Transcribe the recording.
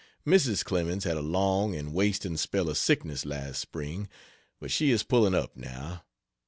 Mrs. Clemens had a long and wasting spell of sickness last Spring, but she is pulling up, now.